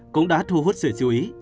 cũng đã thu hút sự chú ý